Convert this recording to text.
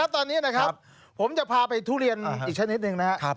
ตอนนี้นะครับผมจะพาไปทุเรียนอีกชนิดหนึ่งนะครับ